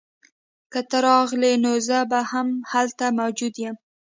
که ته راغلې نو زه به هم هلته موجود یم